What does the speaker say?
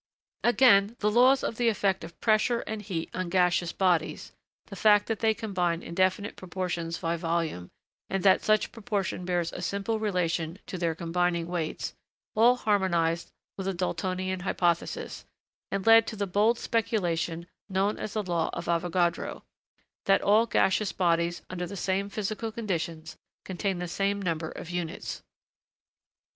Again, the laws of the effect of pressure and heat on gaseous bodies, the fact that they combine in definite proportions by volume, and that such proportion bears a simple relation to their combining weights, all harmonised with the Daltonian hypothesis, and led to the bold speculation known as the law of Avogadro that all gaseous bodies, under the same physical conditions, contain the same number of units.